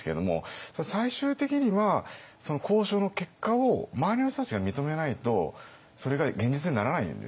最終的にはその交渉の結果を周りの人たちが認めないとそれが現実にならないんですよね。